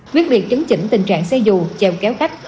viết biệt chứng chỉnh tình trạng xe dù chèo kéo khách